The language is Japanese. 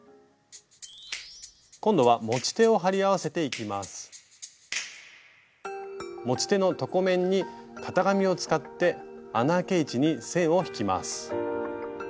今度は持ち手の床面に型紙を使って穴あけ位置に線を引きます。